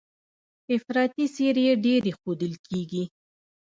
افراطي څېرې ډېرې ښودل کېږي.